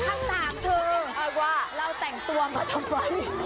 ครั้งหลังถึงว่าเราแต่งตัวมาทำไร